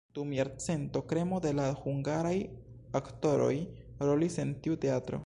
Dum jarcento kremo de la hungaraj aktoroj rolis en tiu teatro.